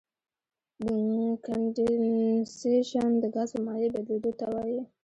کنډېنسیشن د ګاز په مایع بدلیدو ته وایي.